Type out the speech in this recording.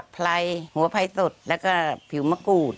ไพลหัวพร้ายสุดแล้วก็ผิวมะกูด